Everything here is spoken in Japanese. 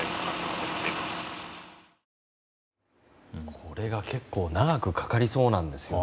これが結構長くかかりそうなんですよね。